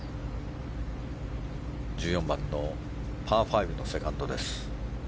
１４番のパー５のセカンドです。